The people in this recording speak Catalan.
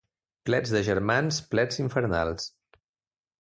Plets de germans, plets infernals.